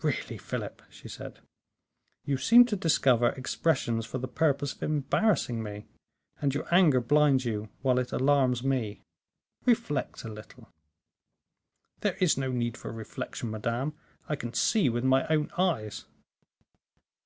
"Really, Philip," she said, "you seem to discover expressions for the purpose of embarrassing me, and your anger blinds you while it alarms me; reflect a little." "There is no need for reflection, madame. I can see with my own eyes."